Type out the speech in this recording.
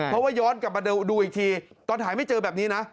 เพราะว่าย้อนกลับมาดูอีกทีตอนถ่ายไม่เจอแบบนี้นะ